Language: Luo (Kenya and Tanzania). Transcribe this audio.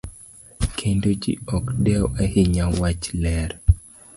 Kendo ji ok dew ahinya wach ler.